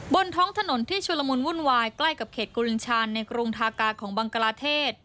บนท้องถนนที่ชุลมุนวุ่นวายใกล้กับเขตกุรินชาญในกรุงทากาของบังกลาเทศ